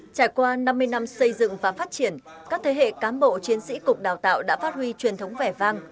trải qua năm mươi năm xây dựng và phát triển các thế hệ cán bộ chiến sĩ cục đào tạo đã phát huy truyền thống vẻ vang